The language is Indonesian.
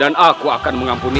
dan nanti kita berjumpa lagi